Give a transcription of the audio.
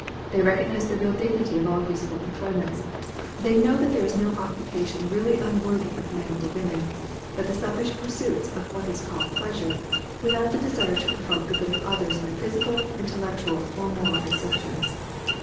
They recognize the real dignity of all useful employments. They know that there is no occupation really unworthy of men or women, but the selfish pursuits of what is called pleasure, without the desire to promote the good of others by physical, intellectual, or moral exertions.